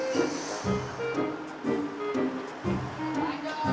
gue balik duluan ya